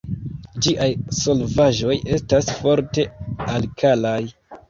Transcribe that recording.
Ĝiaj solvaĵoj estas forte alkalaj.